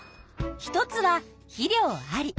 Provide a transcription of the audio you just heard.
一つは「肥料あり」